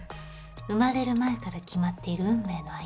生まれる前から決まっている運命の相手。